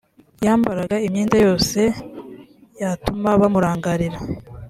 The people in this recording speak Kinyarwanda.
yambaraga imyenda yose yatuma bamurangarira